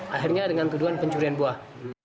akhirnya dengan tuduhan pencurian buah